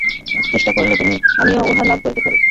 চেষ্টা করিলে তুমি-আমিও উহা লাভ করিতে পারি।